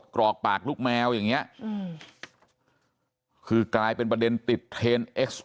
กรอกปากลูกแมวอย่างเงี้ยอืมคือกลายเป็นประเด็นติดเทนเอ็กซ์